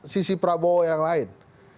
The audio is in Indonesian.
sisi prabowo yang lain